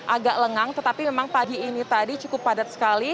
agak lengang tetapi memang pagi ini tadi cukup padat sekali